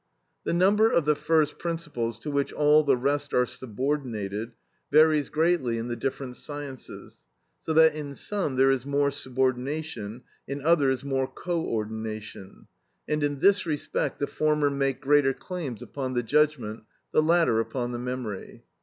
The number of the first principles to which all the rest are subordinated, varies greatly in the different sciences, so that in some there is more subordination, in others more co ordination; and in this respect, the former make greater claims upon the judgment, the latter upon the memory.